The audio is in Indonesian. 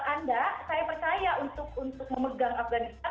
anda saya percaya untuk memegang afganistan